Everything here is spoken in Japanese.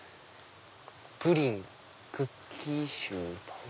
「プリン」「クッキーシュー」。